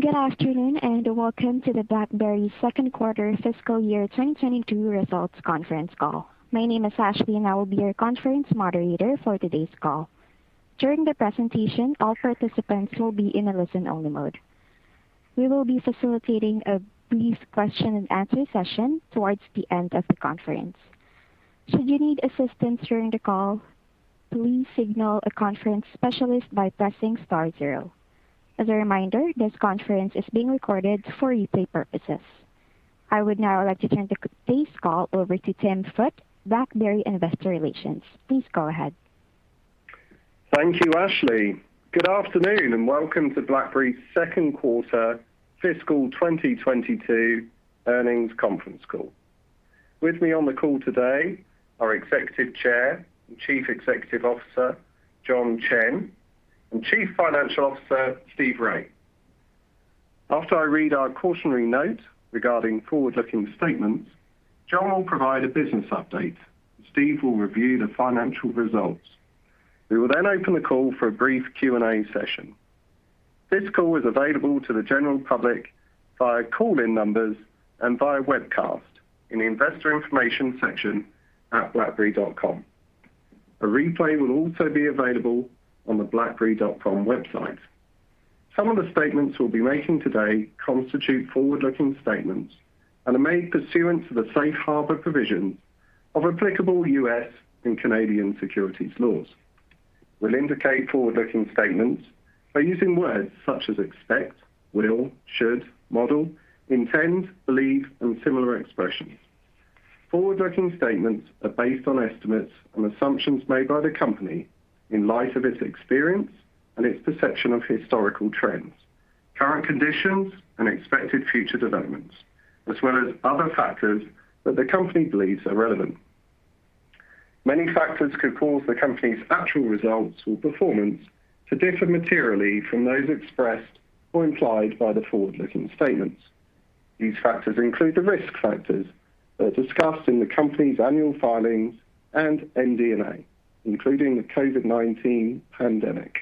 Good afternoon, welcome to the BlackBerry second quarter fiscal year 2022 results conference call. My name is Ashley, and I will be your conference moderator for today's call. During the presentation, all participants will be in a listen-only mode. We will be facilitating a brief question and answer session towards the end of the conference. Should you need assistance during the call, please signal a conference specialist by pressing star zero. As a reminder, this conference is being recorded for replay purposes. I would now like to turn today's call over to Tim Foote, BlackBerry Investor Relations. Please go ahead. Thank you, Ashley. Good afternoon, and welcome to BlackBerry's second quarter fiscal 2022 earnings conference call. With me on the call today are Executive Chair and Chief Executive Officer, John Chen, and Chief Financial Officer, Steve Rai. After I read our cautionary note regarding forward-looking statements, John will provide a business update. Steve will review the financial results. We will then open the call for a brief Q&A session. This call is available to the general public via call-in numbers and via webcast in the investor information section at blackberry.com. A replay will also be available on the blackberry.com website. Some of the statements we'll be making today constitute forward-looking statements and are made pursuant to the safe harbor provisions of applicable U.S. and Canadian securities laws. We'll indicate forward-looking statements by using words such as expect, will, should, model, intend, believe, and similar expressions. Forward-looking statements are based on estimates and assumptions made by the company in light of its experience and its perception of historical trends, current conditions, and expected future developments, as well as other factors that the company believes are relevant. Many factors could cause the company's actual results or performance to differ materially from those expressed or implied by the forward-looking statements. These factors include the risk factors that are discussed in the company's annual filings and MD&A, including the COVID-19 pandemic.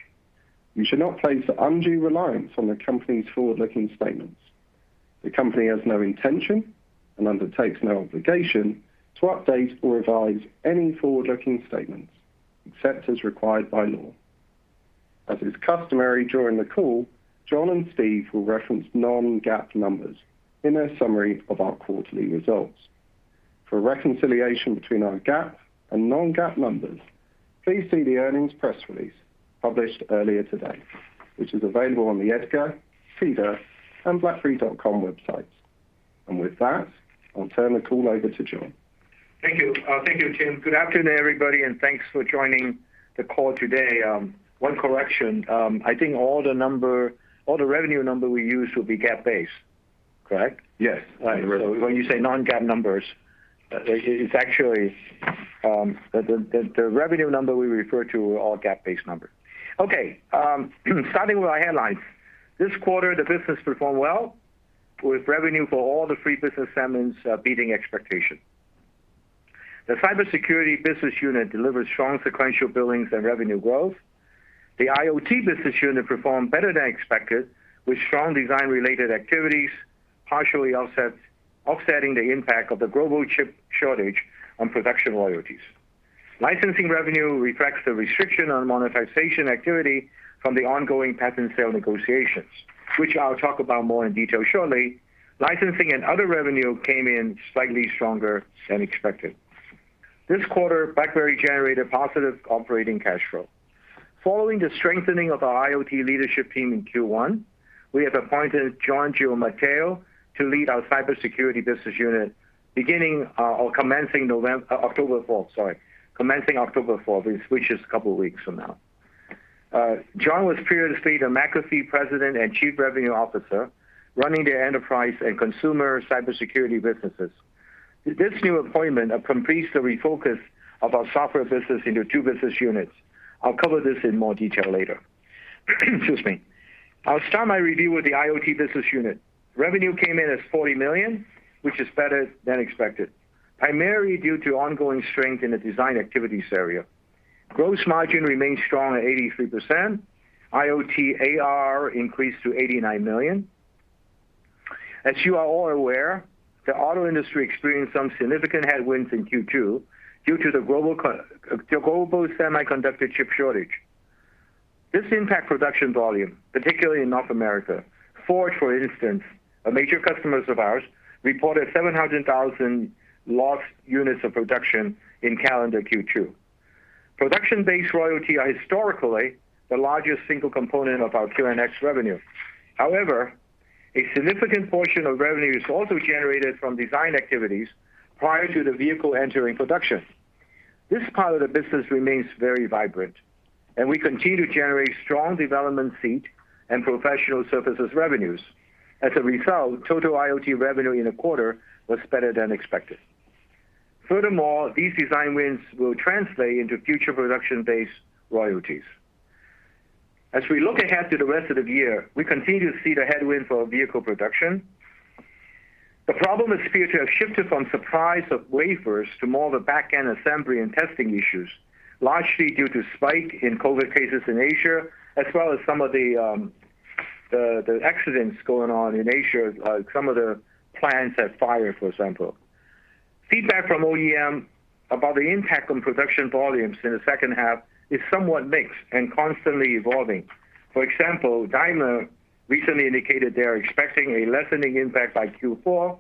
You should not place undue reliance on the company's forward-looking statements. The company has no intention and undertakes no obligation to update or revise any forward-looking statements except as required by law. As is customary during the call, John and Steve will reference non-GAAP numbers in their summary of our quarterly results. For a reconciliation between our GAAP and non-GAAP numbers, please see the earnings press release published earlier today, which is available on the EDGAR, SEDAR, and blackberry.com websites. With that, I'll turn the call over to John. Thank you, Tim. Good afternoon, everybody, and thanks for joining the call today. One correction, I think all the revenue number we use will be GAAP based. Correct? Yes. Right. When you say non-GAAP numbers, the revenue number we refer to are all GAAP-based numbers. Okay. Starting with our headlines. This quarter, the business performed well with revenue for all the three business segments beating expectation. The Cybersecurity business unit delivered strong sequential billings and revenue growth. The IoT business unit performed better than expected with strong design-related activities, partially offsetting the impact of the global chip shortage on production royalties. Licensing revenue reflects the restriction on monetization activity from the ongoing patent sale negotiations, which I'll talk about more in detail shortly. Licensing and other revenue came in slightly stronger than expected. This quarter, BlackBerry generated positive operating cash flow. Following the strengthening of our IoT leadership team in Q1, we have appointed John Giammatteo to lead our Cybersecurity business unit commencing October 4th, which is a couple of weeks from now. John was previously the McAfee President and Chief Revenue Officer, running their enterprise and consumer Cybersecurity businesses. This new appointment completes the refocus of our software business into two business units. Excuse me. I'll cover this in more detail later. I'll start my review with the IoT business unit. Revenue came in as $40 million, which is better than expected, primarily due to ongoing strength in the design activities area. Gross margin remains strong at 83%. IoT ARR increased to $89 million. As you are all aware, the auto industry experienced some significant headwinds in Q2 due to the global semiconductor chip shortage. This impact production volume, particularly in North America. Ford, for instance, a major customer of ours, reported 700,000 lost units of production in calendar Q2. Production-based royalty are historically the largest single component of our QNX revenue. However, a significant portion of revenue is also generated from design activities prior to the vehicle entering production. This part of the business remains very vibrant, and we continue to generate strong development seat and professional services revenues. As a result, total IoT revenue in the quarter was better than expected. Furthermore, these design wins will translate into future production-based royalties. As we look ahead to the rest of the year, we continue to see the headwind for vehicle production. The problem is feared to have shifted from supply of wafers to more of the back-end assembly and testing issues, largely due to spike in COVID cases in Asia, as well as some of the accidents going on in Asia, some of the plants have fired, for example. Feedback from OEM about the impact on production volumes in the second half is somewhat mixed and constantly evolving. For example, Daimler recently indicated they're expecting a lessening impact by Q4.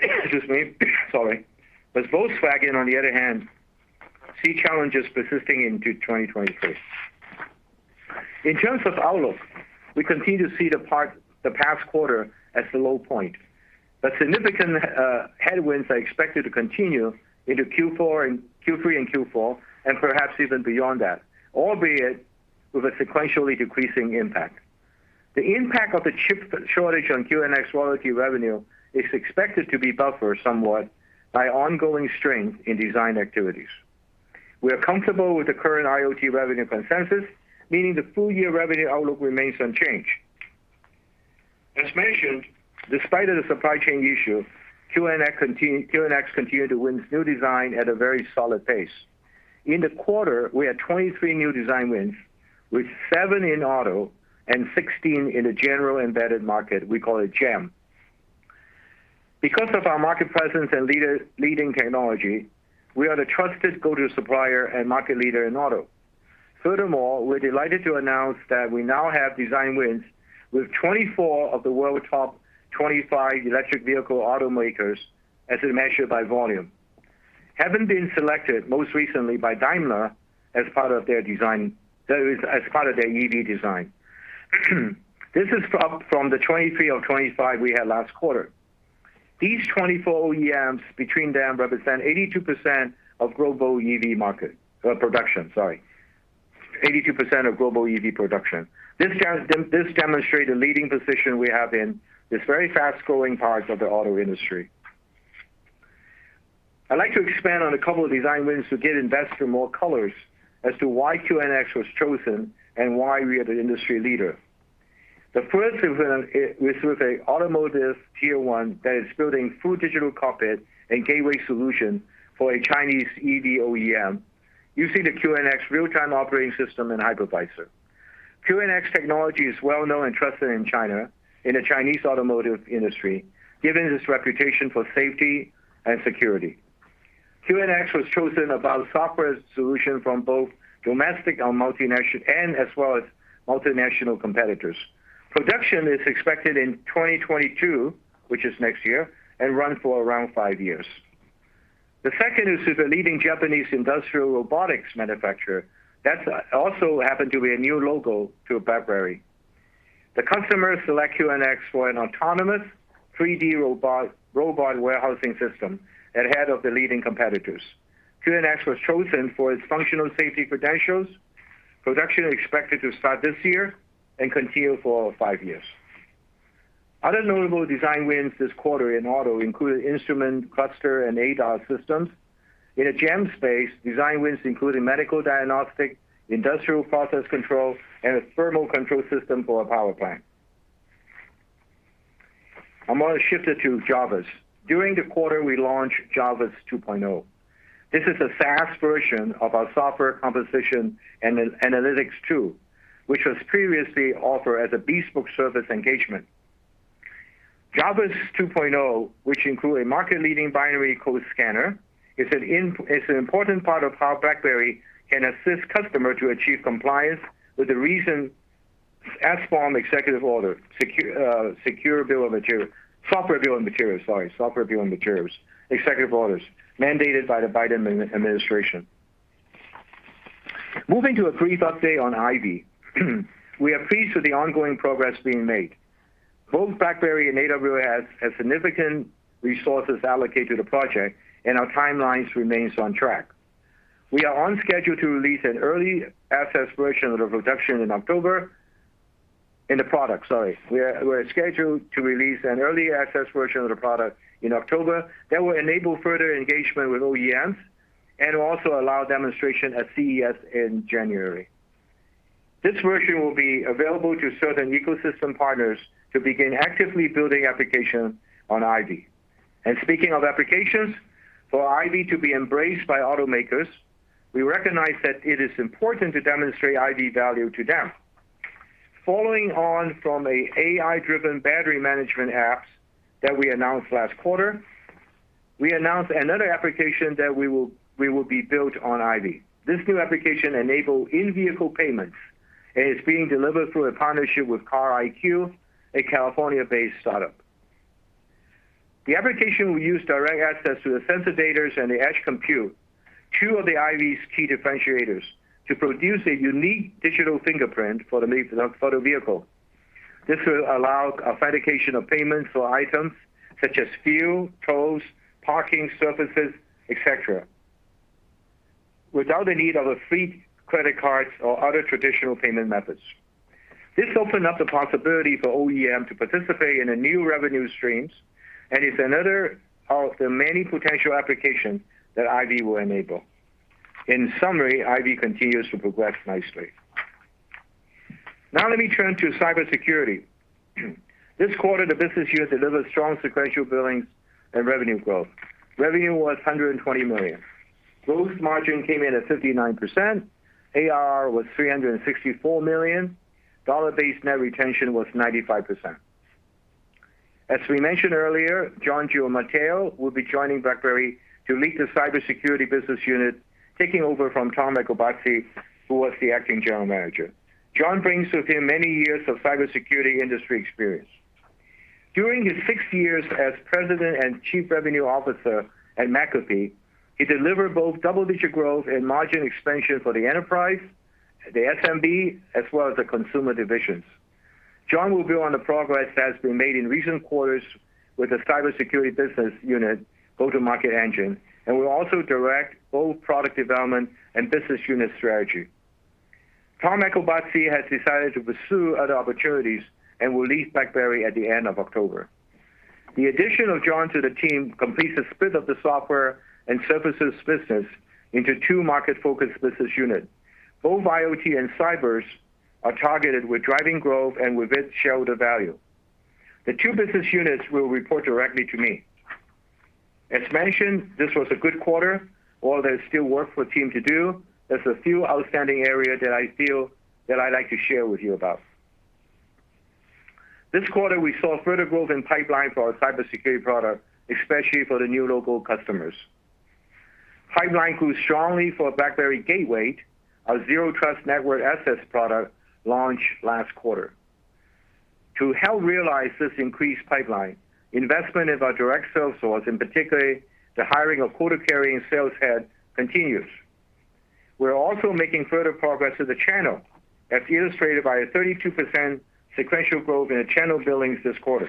Excuse me. Sorry. Volkswagen, on the other hand, see challenges persisting into 2023. In terms of outlook, we continue to see the past quarter as the low point. Significant headwinds are expected to continue into Q3 and Q4 and perhaps even beyond that, albeit with a sequentially decreasing impact. The impact of the chip shortage on QNX royalty revenue is expected to be buffered somewhat by ongoing strength in design activities. We are comfortable with the current IoT revenue consensus, meaning the full-year revenue outlook remains unchanged. As mentioned, despite the supply chain issue, QNX continued to win new design at a very solid pace. In the quarter, we had 23 new design wins, with seven in auto and 16 in the general embedded market, we call it GEM. Because of our market presence and leading technology, we are the trusted go-to supplier and market leader in auto. We're delighted to announce that we now have design wins with 24 of the world's top 25 electric vehicle automakers as measured by volume, having been selected most recently by Daimler as part of their EV design. This is up from the 23 of 25 we had last quarter. These 24 OEMs between them represent 82% of global EV production. This demonstrate the leading position we have in this very fast-growing part of the auto industry. I'd like to expand on a couple of design wins to give investors more colors as to why QNX was chosen and why we are the industry leader. The first win was with an automotive tier one that is building full digital cockpit and gateway solution for a Chinese EV OEM using the QNX real-time operating system and hypervisor. QNX technology is well-known and trusted in China, in the Chinese automotive industry, given its reputation for safety and security. QNX was chosen above software solution from both domestic and as well as multinational competitors. Production is expected in 2022, which is next year, and run for around five years. The second is with a leading Japanese industrial robotics manufacturer that also happened to be a new logo to BlackBerry. The customer select QNX for an autonomous 3D robot warehousing system ahead of the leading competitors. QNX was chosen for its functional safety credentials. Production is expected to start this year and continue for five years. Other notable design wins this quarter in auto included instrument cluster and ADAS systems. In the GEM space, design wins included medical diagnostic, industrial process control, and a thermal control system for a power plant. I want to shift it to Jarvis. During the quarter, we launched Jarvis 2.0. This is a SaaS version of our software composition and analytics tool, which was previously offered as a bespoke service engagement. Jarvis 2.0, which include a market-leading binary code scanner, is an important part of how BlackBerry can assist customer to achieve compliance with the recent exec order, software bill of materials, executive orders mandated by the Biden administration. Moving to a brief update on IVY. We are pleased with the ongoing progress being made. Both BlackBerry and AWS has significant resources allocated to the project, and our timelines remains on track. We are on schedule to release an early access version of the production in October. In the product, sorry. We're scheduled to release an early access version of the product in October that will enable further engagement with OEMs and also allow demonstration at CES in January. This version will be available to certain ecosystem partners to begin actively building applications on IVY. Speaking of applications, for IVY to be embraced by automakers, we recognize that it is important to demonstrate IVY value to them. Following on from a AI-driven battery management apps that we announced last quarter, we announced another application that will be built on IVY. This new application enable in-vehicle payments, and it's being delivered through a partnership with Car IQ, a California-based startup. The application will use direct access to the sensor data and the edge compute, two of the IVY's key differentiators, to produce a unique digital fingerprint for the vehicle. This will allow authentication of payments for items such as fuel, tolls, parking surfaces, et cetera, without the need of a fleet credit cards or other traditional payment methods. This open up the possibility for OEM to participate in a new revenue streams and is another of the many potential applications that IVY will enable. In summary, IVY continues to progress nicely. Now let me turn to Cybersecurity. This quarter, the business unit delivered strong sequential billings and revenue growth. Revenue was $120 million. Gross margin came in at 59%. ARR was $364 million. Dollar-based net retention was 95%. As we mentioned earlier, John Giammatteo will be joining BlackBerry to lead the Cybersecurity business unit, taking over from Tom Eacobacci, who was the acting general manager. John brings with him many years of cybersecurity industry experience. During his six years as President and Chief Revenue Officer at McAfee, he delivered both double-digit growth and margin expansion for the enterprise, the SMB, as well as the consumer divisions. John will build on the progress that's been made in recent quarters with the Cybersecurity business unit, go-to-market engine, and will also direct both product development and business unit strategy. Tom Eacobacci has decided to pursue other opportunities and will leave BlackBerry at the end of October. The addition of John to the team completes the split of the software and services business into two market-focused business units. Both IoT and Cybers are targeted with driving growth and with it, shareholder value. The two business units will report directly to me. As mentioned, this was a good quarter. While there's still work for the team to do, there's a few outstanding areas that I'd like to share with you about. This quarter, we saw further growth in pipeline for our Cybersecurity product, especially for the new logo customers. Pipeline grew strongly for CylanceGATEWAY, our Zero Trust Network Access product launched last quarter. To help realize this increased pipeline, investment in our direct sales force, and particularly the hiring of quota-carrying sales heads, continues. We're also making further progress with the channel, as illustrated by a 32% sequential growth in the channel billings this quarter.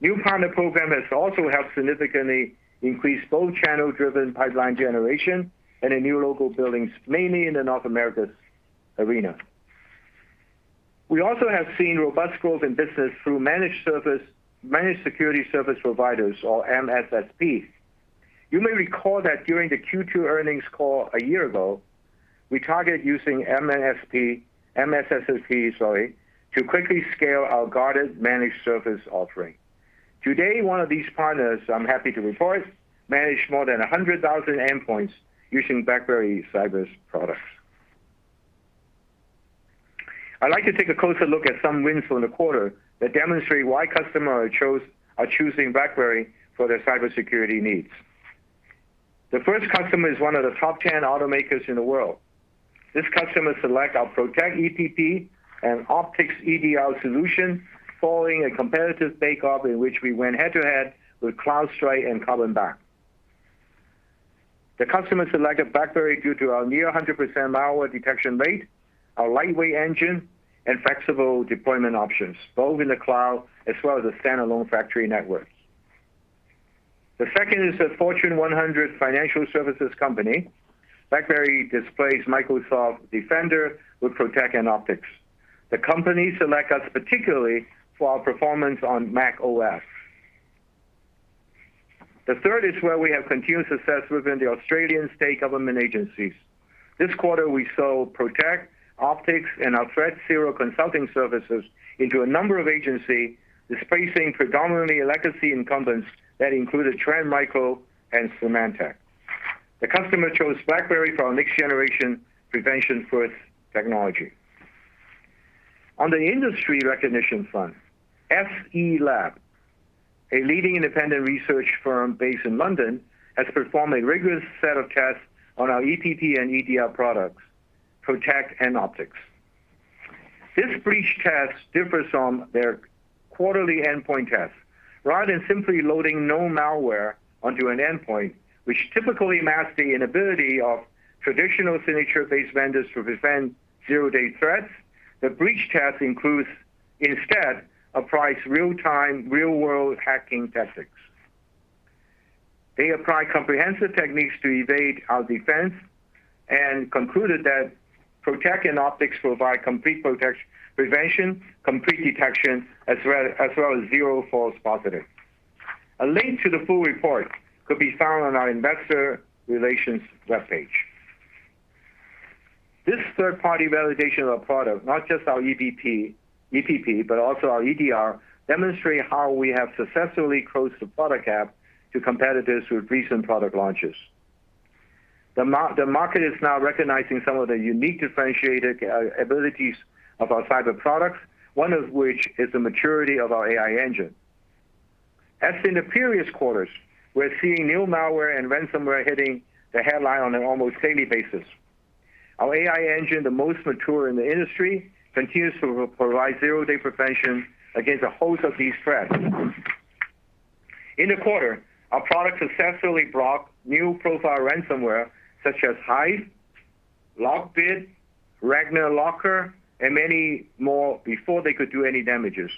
New partner program has also helped significantly increase both channel-driven pipeline generation and the new logo billings, mainly in the North America arena. We also have seen robust growth in business through managed security service providers, or MSSP. You may recall that during the Q2 earnings call a year ago, we targeted using MSSP to quickly scale our guarded managed service offering. Today, one of these partners, I'm happy to report, managed more than 100,000 endpoints using BlackBerry Cybersecurity products. I'd like to take a closer look at some wins from the quarter that demonstrate why customers are choosing BlackBerry for their cybersecurity needs. The first customer is one of the top 10 automakers in the world. This customer selected our CylancePROTECT EPP and CylanceOPTICS EDR solution following a competitive bake-off in which we went head-to-head with CrowdStrike and Carbon Black. The customer selected BlackBerry due to our near 100% malware detection rate, our lightweight engine, and flexible deployment options, both in the cloud as well as the standalone factory networks. The second is a Fortune 100 financial services company. BlackBerry displaced Microsoft Defender with Protect and Optics. The company select us particularly for our performance on macOS. The third is where we have continued success within the Australian state government agencies. This quarter, we sold Protect, Optics and our ThreatZERO consulting services into a number of agencies, displacing predominantly legacy incumbents that included Trend Micro and Symantec. The customer chose BlackBerry for our next-generation prevention-first technology. On the industry recognition front, SE Labs, a leading independent research firm based in London, has performed a rigorous set of tests on our EPP and EDR products, Protect and Optics. This breach test differs from their quarterly endpoint test. Rather than simply loading known malware onto an endpoint, which typically masks the inability of traditional signature-based vendors to prevent zero-day threats, the breach test includes instead applies real-time, real-world hacking tactics. They applied comprehensive techniques to evade our defense and concluded that CylancePROTECT and CylanceOPTICS provide complete prevention, complete detection, as well as zero false positives. A link to the full report could be found on our investor relations webpage. This third-party validation of our product, not just our EPP, but also our EDR, demonstrate how we have successfully closed the product gap to competitors with recent product launches. The market is now recognizing some of the unique differentiator abilities of our cyber products, one of which is the maturity of our AI engine. As in the previous quarters, we're seeing new malware and ransomware hitting the headline on an almost daily basis. Our AI engine, the most mature in the industry, continues to provide zero-day prevention against a host of these threats. In the quarter, our product successfully blocked new profile ransomware such as Hive, LockBit, Ragnar Locker, and many more before they could do any damages.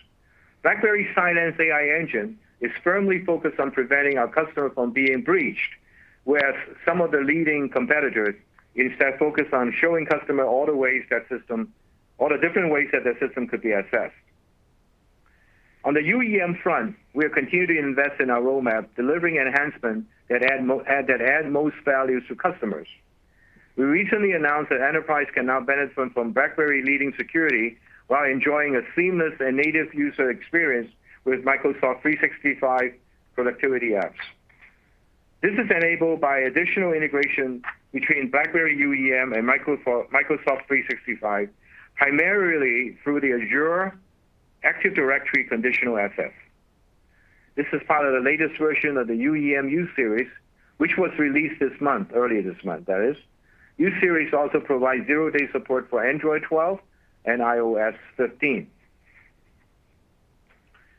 BlackBerry Cylance AI engine is firmly focused on preventing our customers from being breached, whereas some of the leading competitors instead focus on showing customers all the different ways that their system could be assessed. On the UEM front, we are continuing to invest in our roadmap, delivering enhancements that add most value to customers. We recently announced that enterprise can now benefit from BlackBerry leading security while enjoying a seamless and native user experience with Microsoft 365 productivity apps. This is enabled by additional integration between BlackBerry UEM and Microsoft 365, primarily through the Azure Active Directory Conditional Access. This is part of the latest version of the UEM U-series, which was released earlier this month, that is. U-series also provides zero-day support for Android 12 and iOS 15.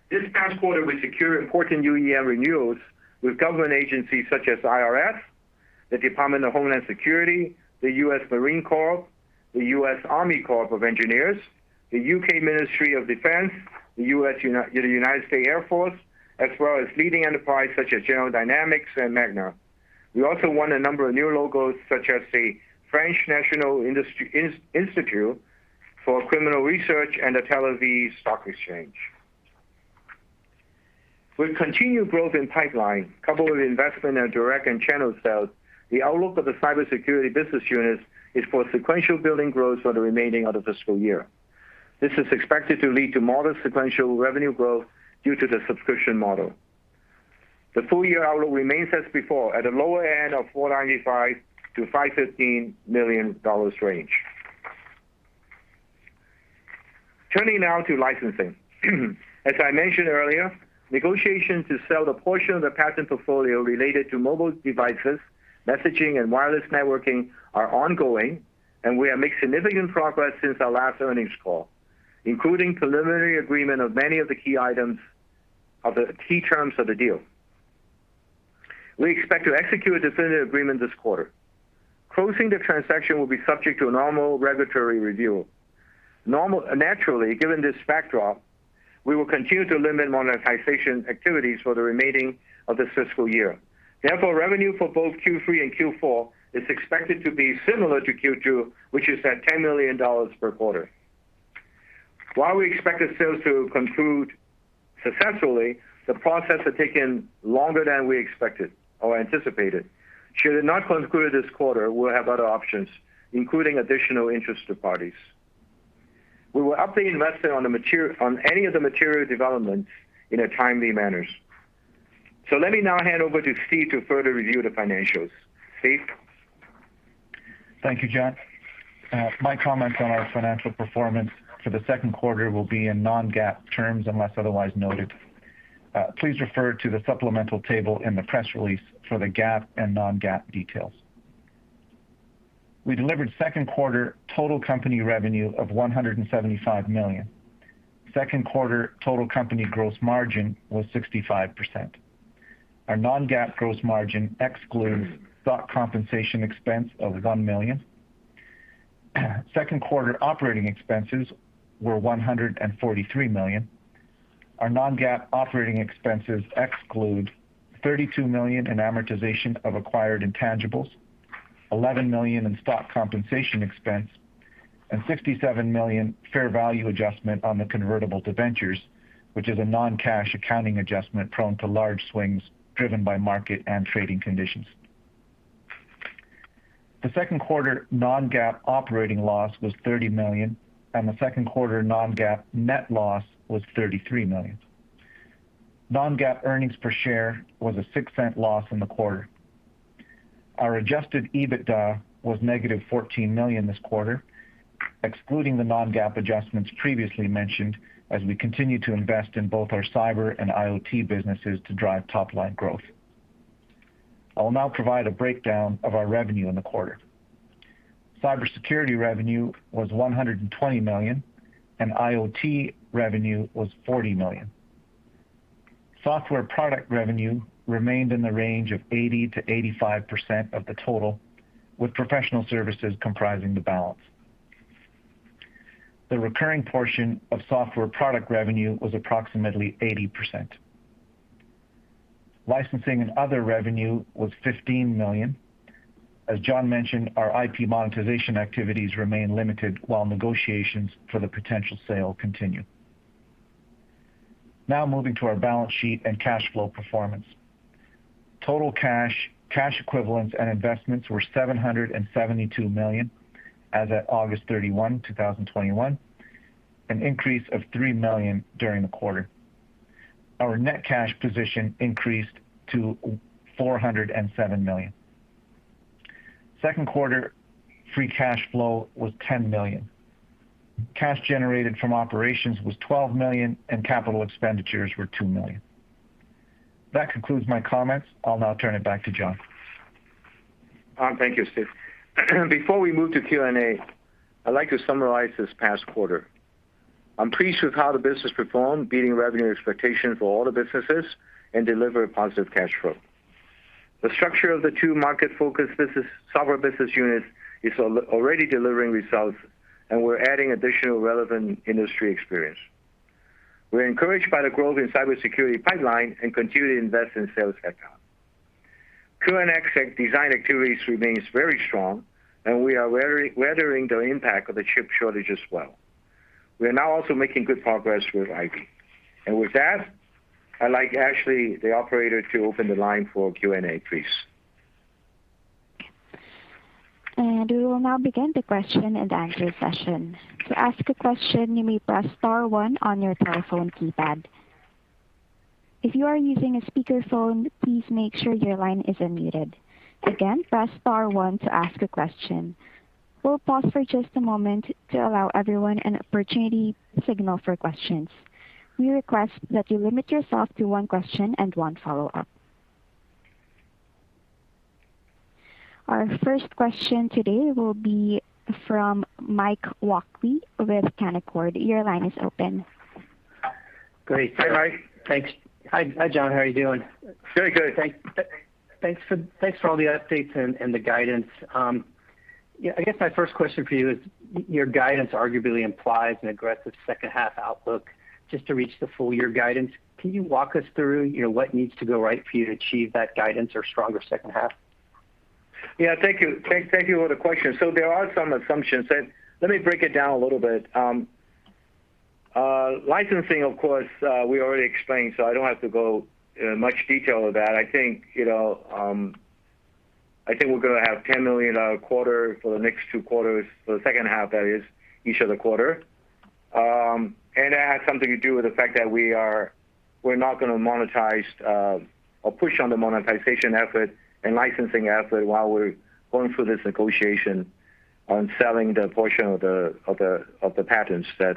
This past quarter, we secured important UEM renewals with government agencies such as IRS, the Department of Homeland Security, the U.S. Marine Corps, the U.S. Army Corps of Engineers, the U.K. Ministry of Defence, the United States Air Force, as well as leading enterprise such as General Dynamics and Magna. We also won a number of new logos such as the French National Institute for Criminal Research and the Tel Aviv Stock Exchange. With continued growth in pipeline, coupled with investment in direct and channel sales, the outlook of the Cybersecurity business unit is for sequential billing growth for the remaining of the fiscal year. This is expected to lead to modest sequential revenue growth due to the subscription model. The full-year outlook remains as before, at a lower end of $495 million-$515 million range. Turning now to licensing. As I mentioned earlier, negotiations to sell the portion of the patent portfolio related to mobile devices, messaging, and wireless networking are ongoing, and we have made significant progress since our last earnings call, including preliminary agreement of many of the key terms of the deal. We expect to execute a definitive agreement this quarter. Closing the transaction will be subject to a normal regulatory review. Naturally, given this backdrop, we will continue to limit monetization activities for the remaining of this fiscal year. Therefore, revenue for both Q3 and Q4 is expected to be similar to Q2, which is at $10 million per quarter. While we expected sales to conclude successfully, the process has taken longer than we expected or anticipated. Should it not conclude this quarter, we'll have other options, including additional interested parties. We will update investors on any of the material developments in a timely manner. Let me now hand over to Steve to further review the financials. Steve? Thank you, John. My comments on our financial performance for the second quarter will be in non-GAAP terms, unless otherwise noted. Please refer to the supplemental table in the press release for the GAAP and non-GAAP details. We delivered second quarter total company revenue of $175 million. Second quarter total company gross margin was 65%. Our non-GAAP gross margin excludes stock compensation expense of $1 million. Second quarter operating expenses were $143 million. Our non-GAAP operating expenses exclude $32 million in amortization of acquired intangibles, $11 million in stock compensation expense, and $67 million fair value adjustment on the convertible debentures, which is a non-cash accounting adjustment prone to large swings driven by market and trading conditions. The second quarter non-GAAP operating loss was $30 million, and the second quarter non-GAAP net loss was $33 million. Non-GAAP earnings per share was a $0.06 loss in the quarter. Our adjusted EBITDA was negative $14 million this quarter, excluding the non-GAAP adjustments previously mentioned, as we continue to invest in both our cyber and IoT businesses to drive top-line growth. I will now provide a breakdown of our revenue in the quarter. Cybersecurity revenue was $120 million, and IoT revenue was $40 million. Software product revenue remained in the range of 80%-85% of the total, with professional services comprising the balance. The recurring portion of software product revenue was approximately 80%. Licensing and other revenue was $15 million. As John mentioned, our IP monetization activities remain limited while negotiations for the potential sale continue. Moving to our balance sheet and cash flow performance. Total cash equivalents, and investments were $772 million as at August 31, 2021, an increase of $3 million during the quarter. Our net cash position increased to $407 million. Second quarter free cash flow was $10 million. Cash generated from operations was $12 million, and capital expenditures were $2 million. That concludes my comments. I'll now turn it back to John. Thank you, Steve. Before we move to Q&A, I'd like to summarize this past quarter. I'm pleased with how the business performed, beating revenue expectations for all the businesses and delivered positive cash flow. The structure of the two market-focused software business units is already delivering results, and we're adding additional relevant industry experience. We're encouraged by the growth in Cybersecurity pipeline and continue to invest in sales headcount. Current ECU design activities remains very strong, and we are weathering the impact of the chip shortage as well. We are now also making good progress with IP. With that, I'd like Ashley, the operator, to open the line for Q&A, please. We will now begin the question and answer session. To ask a question, you may press star one on your telephone keypad. If you are using a speakerphone, please make sure your line isn't muted. Again, press star one to ask a question. We will pause for just a moment to allow everyone an opportunity to signal for questions. We request that you limit yourself to one question and one follow-up. Our first question today will be from Mike Walkley with Canaccord. Your line is open. Great. Hey, Mike. Thanks. Hi, John. How are you doing? Very good. Thanks for all the updates and the guidance. I guess my first question for you is, your guidance arguably implies an aggressive second half outlook just to reach the full year guidance. Can you walk us through what needs to go right for you to achieve that guidance or stronger second half? Thank you. Thank you for the question. There are some assumptions. Let me break it down a little bit. Licensing, of course, we already explained. I don't have to go in much detail of that. I think we're going to have $10 million quarter for the next two quarters, for the second half that is, each of the quarter. That has something to do with the fact that we're not going to monetize, or push on the monetization effort and licensing effort while we're going through this negotiation on selling the portion of the patents that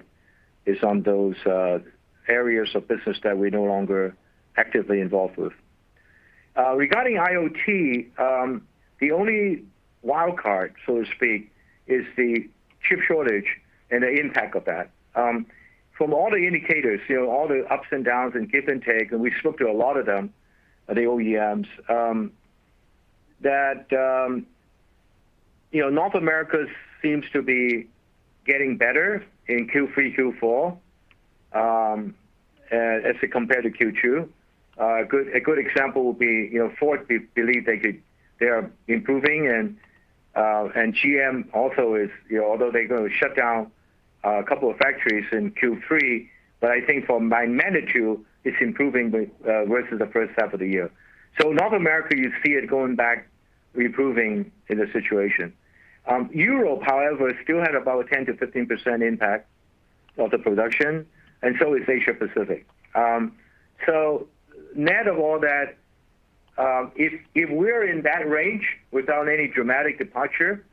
is on those areas of business that we're no longer actively involved with. Regarding IoT, the only wild card, so to speak, is the chip shortage and the impact of that. From all the indicators, all the ups and downs and give and take, and we spoke to a lot of them, the OEMs, that North America seems to be getting better in Q3, Q4, as compared to Q2. A good example would be Ford believe they are improving, and GM also is. They're going to shut down a couple of factories in Q3, I think for by magnitude, it's improving versus the first half of the year. North America, you see it going back, improving in the situation. Europe, however, still had about 10%-15% impact of the production, and so is Asia Pacific. Net of all that, if we're in that range without any dramatic departure,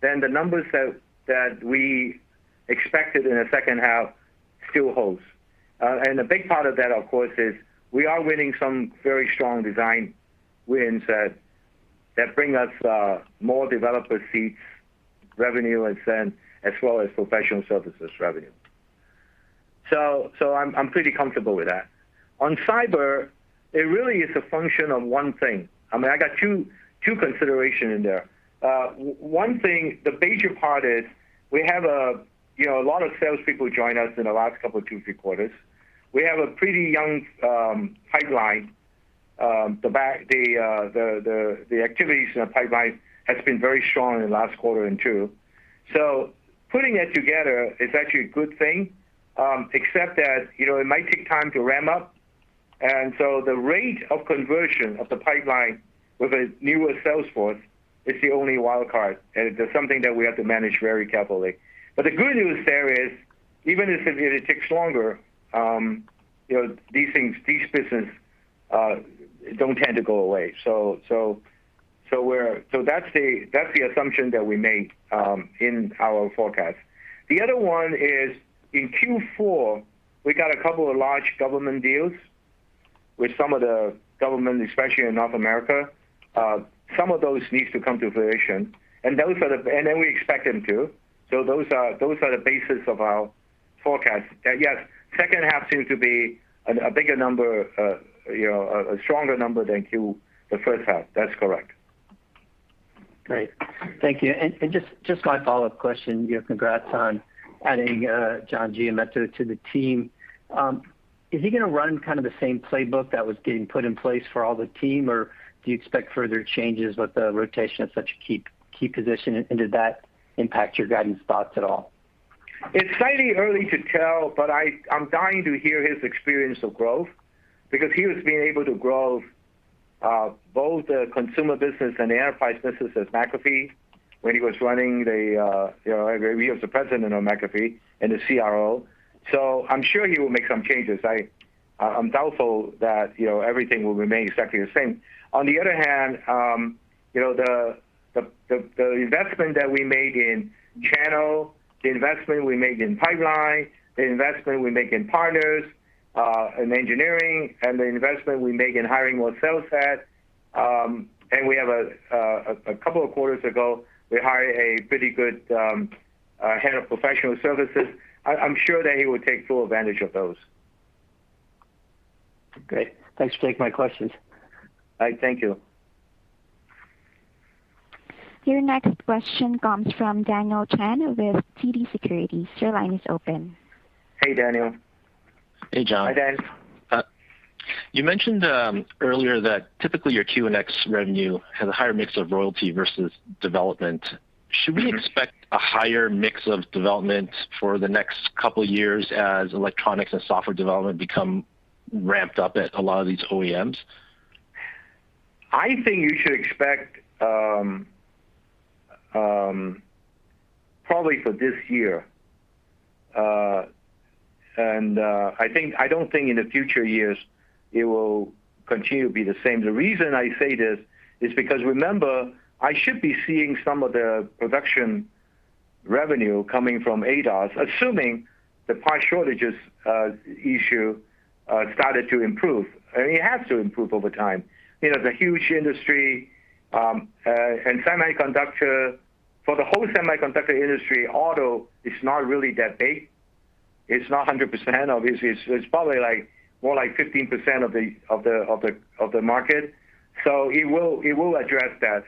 then the numbers that we expected in the second half still holds. A big part of that, of course, is we are winning some very strong design wins that bring us more developer seats, revenue ascent, as well as professional services revenue. I'm pretty comfortable with that. On cyber, it really is a function of one thing. I got two considerations in there. One thing, the bigger part is we have a lot of salespeople join us in the last couple of two, three quarters. We have a pretty young pipeline. The activities in the pipeline has been very strong in the last quarter and two. Putting that together is actually a good thing, except that it might take time to ramp up. The rate of conversion of the pipeline with a newer sales force is the only wild card. It's something that we have to manage very carefully. The good news there is, even if it takes longer, these things, this business, don't tend to go away. That's the assumption that we made in our forecast. The other one is in Q4, we got a couple of large government deals with some of the government, especially in North America. Some of those needs to come to fruition, and then we expect them to. Those are the basis of our forecast that, yes, second half seems to be a bigger number, a stronger number than the first half. That's correct. Great. Thank you. Just my follow-up question. Congrats on adding John Giamatteo to the team. Is he going to run kind of the same playbook that was getting put in place for all the team, or do you expect further changes with the rotation of such a key position, and did that impact your guidance thoughts at all? It's slightly early to tell, I'm dying to hear his experience of growth because he was being able to grow both the consumer business and the enterprise business at McAfee when he was the president of McAfee and the CRO. I'm sure he will make some changes. I'm doubtful that everything will remain exactly the same. On the other hand, the investment that we made in channel, the investment we made in pipeline, the investment we make in partners, in engineering, and the investment we make in hiring more sales staff. We have a couple of quarters ago, we hired a pretty good head of professional services. I'm sure that he would take full advantage of those. Great. Thanks for taking my questions. All right. Thank you. Your next question comes from Daniel Chen with TD Securities. Your line is open. Hey, Daniel. Hey, John. Hi, Dan. You mentioned earlier that typically your QNX revenue has a higher mix of royalty versus development. Should we expect a higher mix of development for the next couple of years as electronics and software development become ramped up at a lot of these OEMs? I think you should expect, probably for this year. I don't think in the future years it will continue to be the same. The reason I say this is because, remember, I should be seeing some of the production revenue coming from ADAS, assuming the part shortages issue started to improve. It has to improve over time. It's a huge industry. For the whole semiconductor industry, auto is not really that big. It's not 100%, obviously. It's probably more like 15% of the market. It will address that.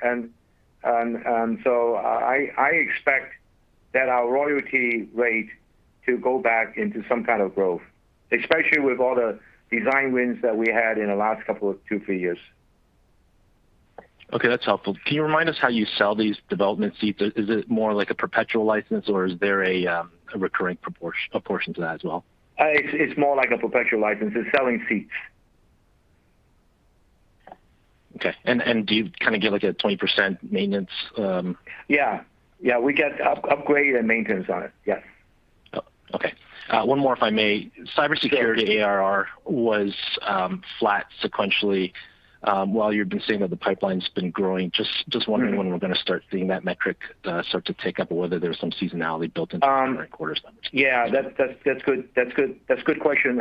I expect that our royalty rate to go back into some kind of growth, especially with all the design wins that we had in the last couple of two, three years. Okay. That's helpful. Can you remind us how you sell these development seats? Is it more like a perpetual license or is there a recurring proportion to that as well? It's more like a perpetual license. It's selling seats. Okay. Do you kind of get like a 20% maintenance? Yeah. We get upgrade and maintenance on it. Yes. Oh, okay. One more if I may. Sure. Cybersecurity ARR was flat sequentially, while you've been saying that the pipeline's been growing. When we're going to start seeing that metric start to tick up or whether there's some seasonality built into the current quarter numbers? Yeah, that's a good question.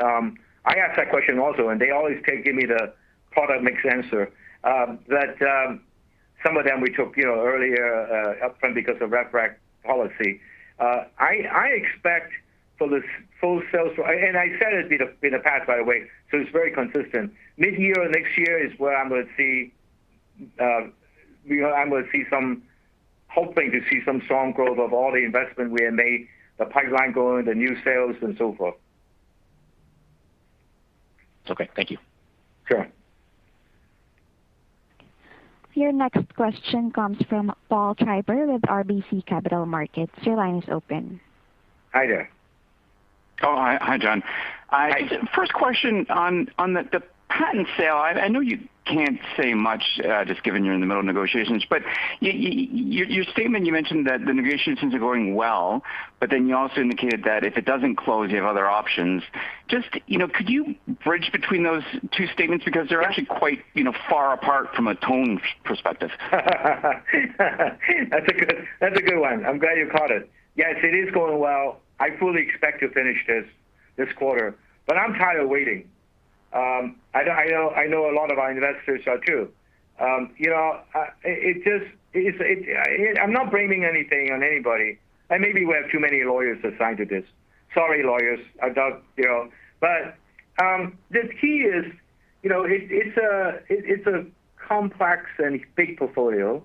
I asked that question also, they always give me the product mix answer, that some of them we took earlier upfront because of rev rec policy. I said it in the past, by the way, it's very consistent. Mid-year, next year is where I'm going to see, hoping to see some strong growth of all the investment we have made, the pipeline going, the new sales and so forth. Okay. Thank you. Sure. Your next question comes from Paul Treiber with RBC Capital Markets. Your line is open. Hi there. Oh, hi, John. Hi. First question on the patent sale. I know you can't say much, just given you're in the middle of negotiations, but in your statement you mentioned that the negotiations are going well, but then you also indicated that if it doesn't close, you have other options. Just could you bridge between those two statements because they're actually quite far apart from a tone perspective? That's a good one. I'm glad you caught it. Yes, it is going well. I fully expect to finish this this quarter. I'm tired of waiting. I know a lot of our investors are, too. I'm not blaming anything on anybody. Maybe we have too many lawyers assigned to this. Sorry, lawyers. The key is, it's a complex and big portfolio.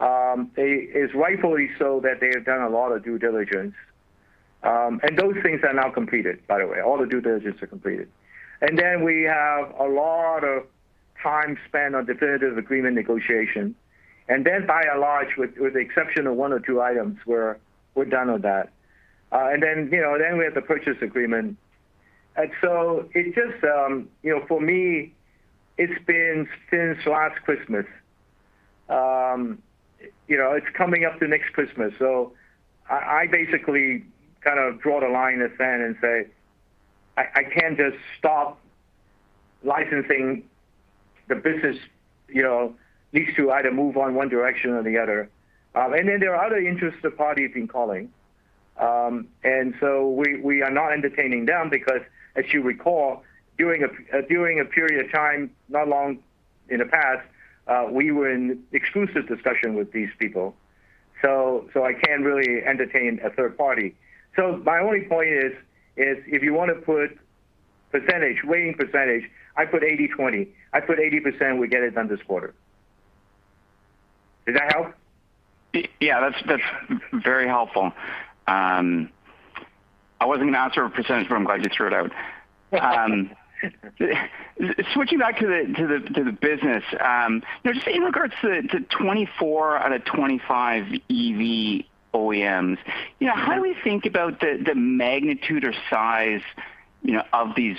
It is rightfully so that they have done a lot of due diligence. Those things are now completed, by the way. All the due diligences are completed. We have a lot of time spent on definitive agreement negotiation. By and large, with the exception of one or two items, we're done with that. We have the purchase agreement. For me, it's been since last Christmas. It's coming up to next Christmas. I basically kind of draw the line at sand and say, "I can't just stop licensing the business, needs to either move on one direction or the other." Then there are other interested parties in calling. We are not entertaining them because as you recall, during a period of time not long in the past, we were in exclusive discussion with these people. I can't really entertain a third party. My only point is, if you want to put percentage, weighing percentage, I put 80/20. I put 80% we get it done this quarter. Does that help? Yeah, that's very helpful. I wasn't going to ask for a percentage, but I'm glad you threw it out. Switching back to the business, just in regards to 24 out of 25 EV OEMs, how do we think about the magnitude or size of these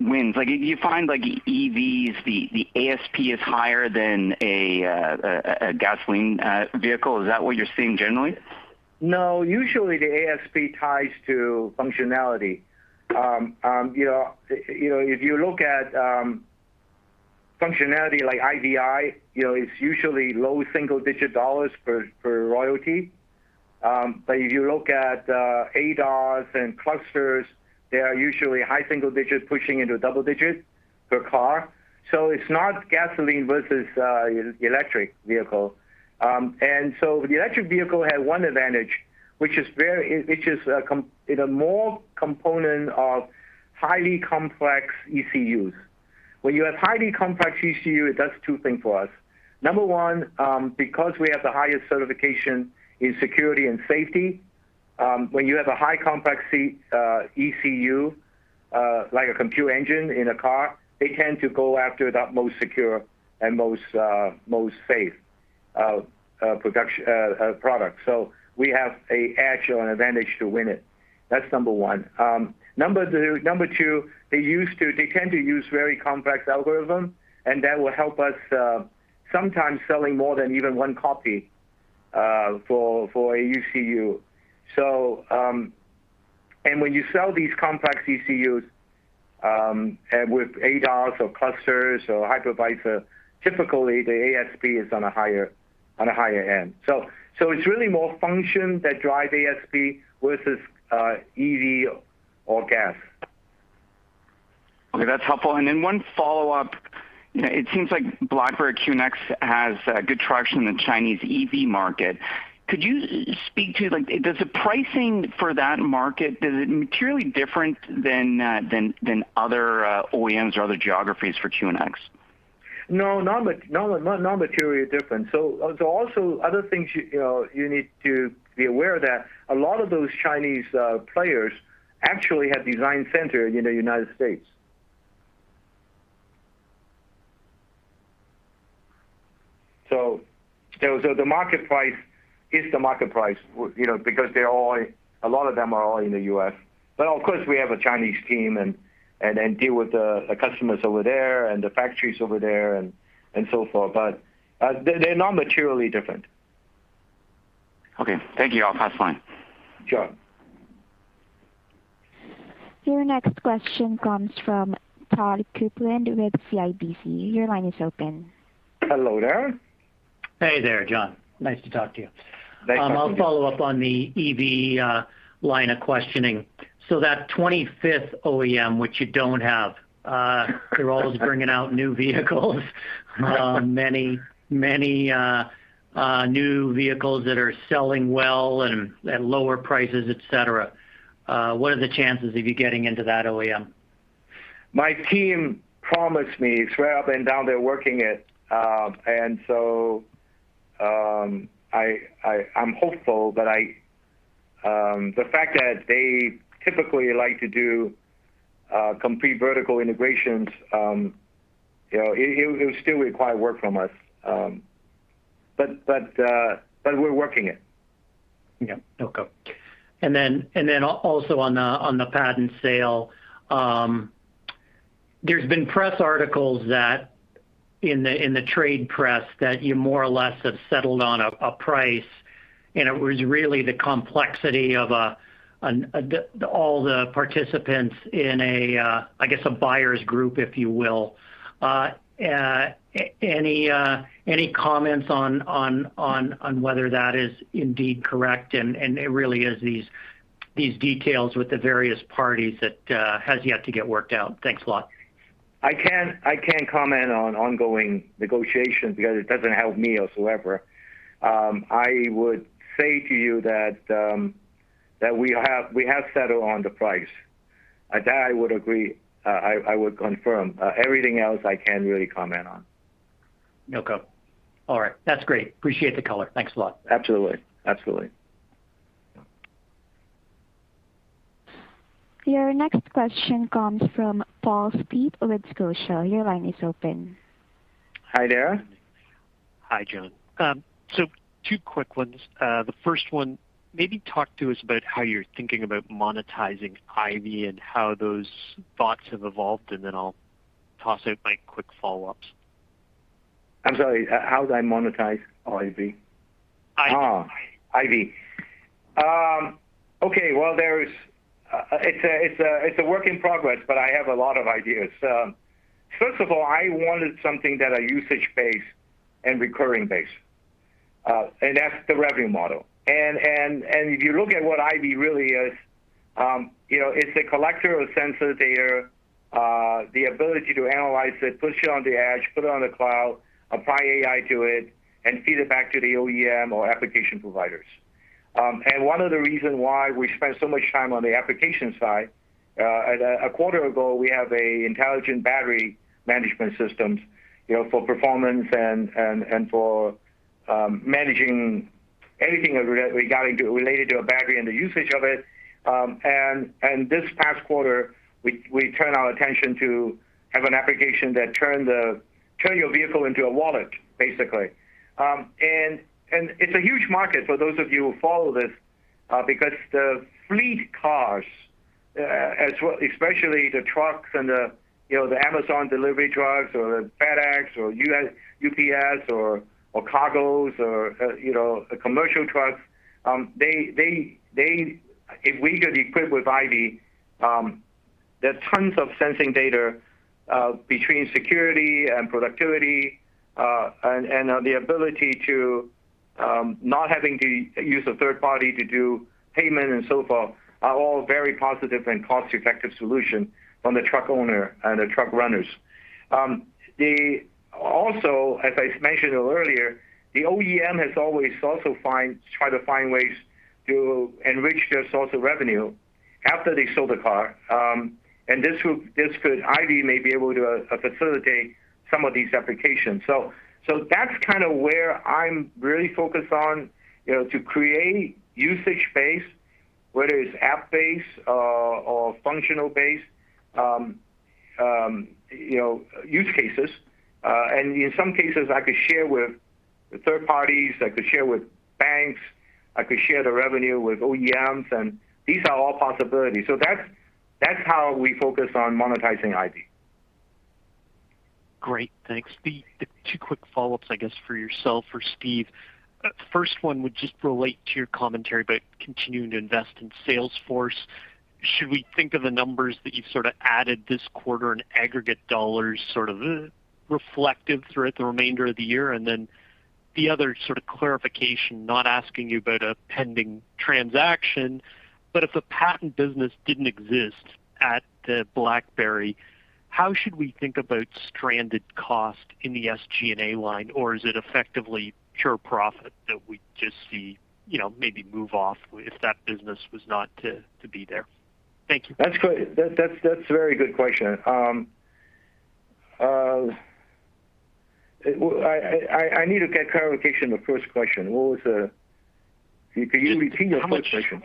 wins? Do you find EVs, the ASP is higher than a gasoline vehicle? Is that what you're seeing generally? Usually the ASP ties to functionality. If you look at functionality like IVI, it's usually low single-digit dollars per royalty. If you look at ADAS and clusters, they are usually high single digits pushing into double digits per car. It's not gasoline versus electric vehicle. The electric vehicle has one advantage, which is more component of highly complex ECUs. When you have highly complex ECU, it does two things for us. Number one, because we have the highest certification in security and safety, when you have a high complexity ECU, like a compute engine in a car, they tend to go after that most secure and most safe product. We have an actual advantage to win it. That's number one. Number two, they tend to use very complex algorithms, and that will help us sometimes selling more than even one copy for a ECU. When you sell these complex ECUs, with ADAS or clusters or hypervisor, typically the ASP is on a higher end. It's really more function that drive ASP versus EV or gas. Okay, that's helpful. One follow-up. It seems like BlackBerry QNX has good traction in the Chinese EV market. Does the pricing for that market, is it materially different than other OEMs or other geographies for QNX? No, not materially different. Also, other things you need to be aware that a lot of those Chinese players actually have design center in the U.S. The market price is the market price, because a lot of them are all in the U.S. Of course we have a Chinese team, and deal with the customers over there and the factories over there and so forth, but they're not materially different. Okay. Thank you. I'll pass the line. Sure. Your next question comes from Todd Coupland with CIBC. Your line is open. Hello there. Hey there, John. Nice to talk to you. Nice talking to you. I'll follow up on the EV line of questioning. That 25th OEM, which you don't have, they're always bringing out new vehicles. Many new vehicles that are selling well and at lower prices, et cetera. What are the chances of you getting into that OEM? My team promised me, it's right up and down, they're working it. I'm hopeful, but the fact that they typically like to do complete vertical integrations, it would still require work from us. We're working it. Yeah. Okay. Also on the patent sale, there's been press articles in the trade press that you more or less have settled on a price, and it was really the complexity of all the participants in a buyer's group, if you will. Any comments on whether that is indeed correct and it really is these details with the various parties that has yet to get worked out? Thanks a lot. I can't comment on ongoing negotiations because it doesn't help me whatsoever. I would say to you that we have settled on the price. That I would agree, I would confirm. Everything else I can't really comment on. Okay. All right. That is great. Appreciate the color. Thanks a lot. Absolutely. Your next question comes from Paul Steep with Scotiabank. Your line is open. Hi there. Hi, John. Two quick ones. The first one, maybe talk to us about how you're thinking about monetizing IVY and how those thoughts have evolved, and then I'll toss out my quick follow-ups. I'm sorry, how do I monetize IVY? IVY. IVY. Okay, well, it's a work in progress, but I have a lot of ideas. First of all, I wanted something that are usage-based and recurring-based. That's the revenue model. If you look at what IVY really is, it's a collector of sensor data. The ability to analyze it, push it on the edge, put it on the cloud, apply AI to it, and feed it back to the OEM or application providers. One of the reason why we spend so much time on the application side, a quarter ago, we have a intelligent battery management systems, for performance and for managing anything related to a battery and the usage of it. This past quarter, we turn our attention to have an application that turn your vehicle into a wallet, basically. It's a huge market for those of you who follow this, because the fleet cars, especially the trucks and the Amazon delivery trucks or the FedEx or UPS or cargos or commercial trucks, if we could equip with IVY, there are tons of sensing data, between security and productivity, and the ability to not having to use a third party to do payment and so forth, are all very positive and cost-effective solution from the truck owner and the truck runners. Also, as I mentioned earlier, the OEM has always also tried to find ways to enrich their source of revenue after they sold the car. IVY may be able to facilitate some of these applications. That's kind of where I'm really focused on, to create usage-based, whether it's app-based or functional-based use cases. In some cases, I could share with third parties, I could share with banks, I could share the revenue with OEMs, and these are all possibilities. That's how we focus on monetizing IVY. Great, thanks. Two quick follow-ups, I guess for yourself or Steve. First one would just relate to your commentary about continuing to invest in Salesforce. Should we think of the numbers that you've sort of added this quarter in aggregate dollars sort of reflected throughout the remainder of the year? The other sort of clarification, not asking you about a pending transaction, but if a patent business didn't exist at BlackBerry, how should we think about stranded cost in the SG&A line? Or is it effectively pure profit that we just see maybe move off if that business was not to be there? Thank you. That's a very good question. I need to get clarification on the first question. Can you repeat your first question?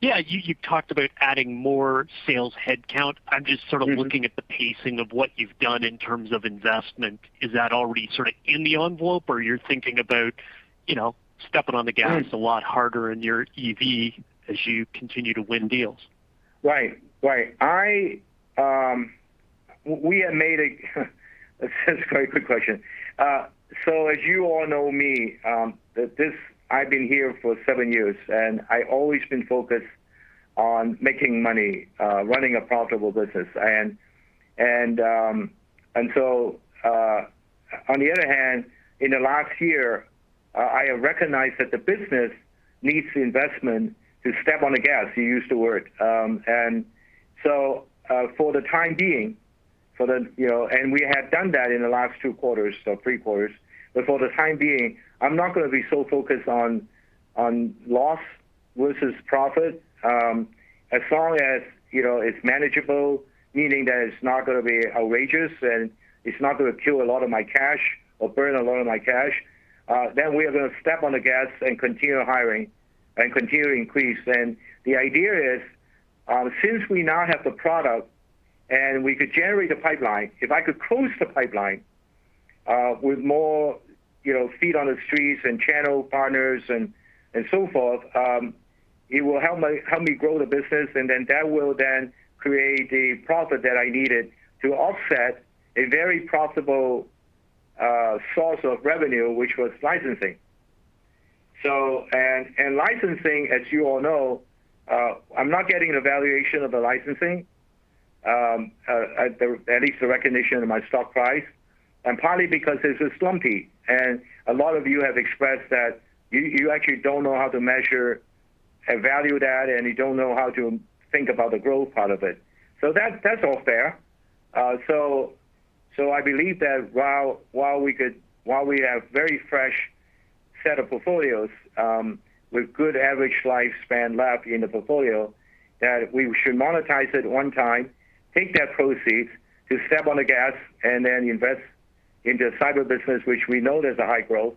You talked about adding more sales headcount. I'm just sort of looking at the pacing of what you've done in terms of investment. Is that already sort of in the envelope or you're thinking about stepping on the gas a lot harder in your EV as you continue to win deals? Right. That's a very good question. As you all know me, I've been here for seven years, and I've always been focused on making money, running a profitable business. On the other hand, in the last year, I have recognized that the business needs the investment to step on the gas. You used the word. We have done that in the last two quarters, so three quarters. For the time being, I'm not going to be so focused on loss versus profit. As long as it's manageable, meaning that it's not going to be outrageous and it's not going to kill a lot of my cash or burn a lot of my cash, then we are going to step on the gas and continue hiring and continue to increase. The idea is, since we now have the product and we could generate the pipeline, if I could close the pipeline with more feet on the streets and channel partners and so forth, it will help me grow the business and then that will then create a profit that I needed to offset a very profitable source of revenue, which was licensing. Licensing, as you all know, I'm not getting a valuation of the licensing, at least the recognition of my stock price. Partly because it's slumpy. A lot of you have expressed that you actually don't know how to measure a value to that, and you don't know how to think about the growth part of it. That's all fair. I believe that while we have very fresh set of portfolios with good average lifespan left in the portfolio, that we should monetize it one time, take that proceeds to step on the gas, and then invest into Cybersecurity, which we know there's a high growth,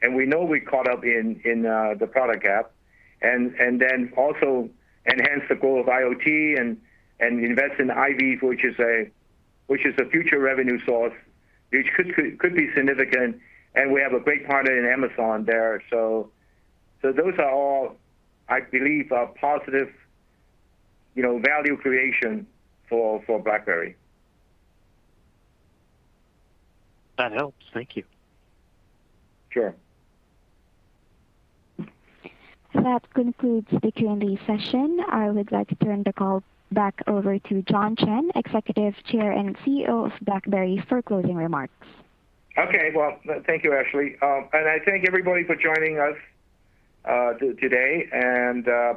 and we know we caught up in the product gap. Also enhance the goal of IoT and invest in IVY, which is a future revenue source which could be significant, and we have a great partner in Amazon there. Those are all, I believe, are positive value creation for BlackBerry. That helps. Thank you. Sure. That concludes the Q&A session. I would like to turn the call back over to John Chen, Executive Chair and CEO of BlackBerry, for closing remarks. Okay. Well, thank you, Ashley. I thank everybody for joining us today.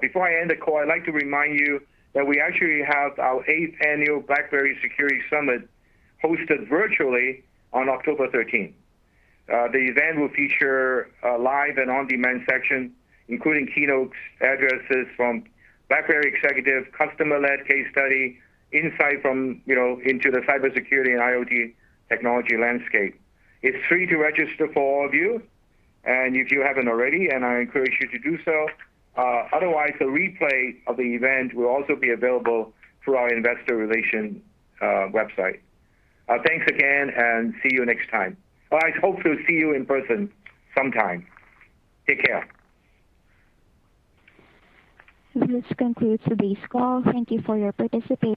Before I end the call, I'd like to remind you that we actually have our 8th annual BlackBerry Security Summit hosted virtually on October 13th. The event will feature a live and on-demand section, including keynote addresses from BlackBerry executive, customer-led case study, insight into the cybersecurity and IoT technology landscape. It's free to register for all of you, if you haven't already, I encourage you to do so. Otherwise, a replay of the event will also be available through our investor relations website. Thanks again and see you next time. I hope to see you in person sometime. Take care. This concludes today's call. Thank you for your participation.